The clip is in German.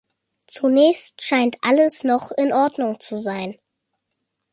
Zunächst scheint alles noch in Ordnung zu sein.